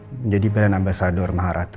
menjadi monks ambasador maharatu